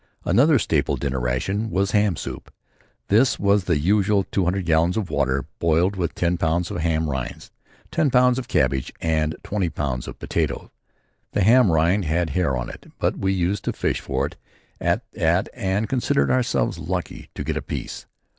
Another staple dinner ration was ham soup. This was the usual two hundred gallons of water boiled with ten pounds of ham rinds, ten pounds of cabbage and twenty pounds of potatoes. The ham rind had hair on it but we used to fish for it at that and considered ourselves lucky to get a piece.